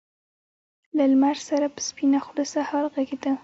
له لمر سره په سپينه خــــوله سهار غــــــــږېده